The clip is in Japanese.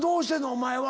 お前は。